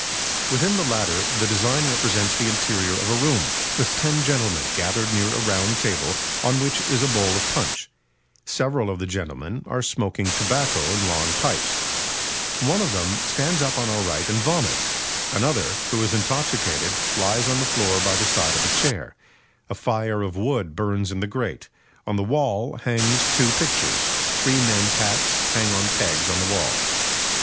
Within the latter the design represents the interior of a room, with ten gentlemen gathered near a round table on which is a bowl of punch; several of the gentlemen are smoking tobacco in long pipes; one of them stands up on our right and vomits; another, who is intoxicated, lies on the floor by the side of a chair; a fire of wood burns in the grate; on the wall hangs two pictures ... three men's hats hang on pegs on the wall."